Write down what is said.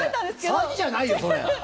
詐欺じゃないよ、それ。